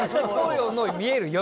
見える夜。